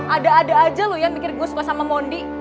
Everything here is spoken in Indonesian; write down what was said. ada ada aja loh yang mikir gue suka sama mondi